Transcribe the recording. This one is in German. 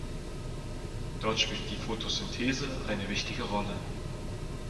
Dort spielt die Fotosynthese eine wichtige Rolle.